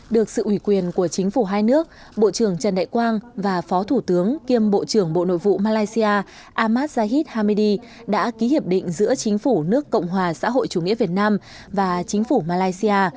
được sự ủy quyền của chính phủ hai nước bộ trưởng trần đại quang và phó thủ tướng kiêm bộ trưởng bộ nội vụ malaysia ahmad zahid hamidi đã ký hiệp định giữa chính phủ nước cộng hòa xã hội chủ nghĩa việt nam và chính phủ malaysia